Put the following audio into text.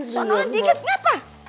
soalnya diikat ngapa